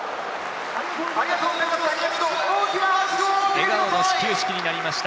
笑顔の始球式になりました